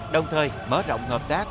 đồng thời mở rộng hợp tác